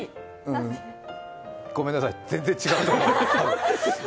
ごめんなさい、全然違う。